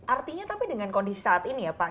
artinya tapi dengan kondisi saat ini ya pak